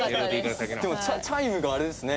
でもチャイムがあれですね